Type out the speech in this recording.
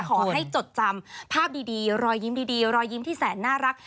จดจำภาพดีรอยยิ้มดีรอยยิ้มที่แสนน่ารัก